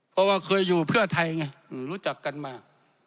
เพราะว่าเคยอยู่เพื่อไทยไงรู้จักกันมา